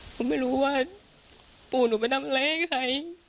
หนูไม่รู้ว่าปู่หนูไปทำอะไรให้ใคร